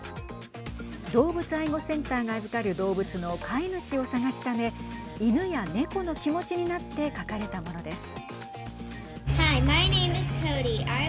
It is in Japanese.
動物愛護センターが預かる動物の飼い主を探すため犬や猫の気持ちになって書かれたものです。